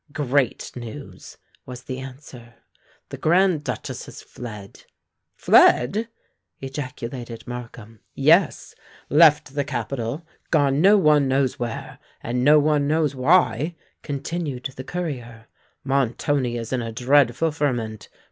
"Great news," was the answer. "The Grand Duchess has fled." "Fled!" ejaculated Markham. "Yes—left the capital—gone no one knows where, and no one knows why," continued the courier. "Montoni is in a dreadful ferment.